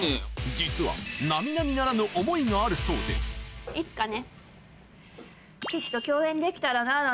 実は並々ならぬ思いがあるそうでいつかね。